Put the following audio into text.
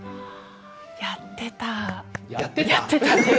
やってた？